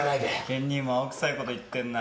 健兄も青くさいこと言ってんな。